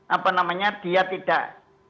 apa namanya dia tidak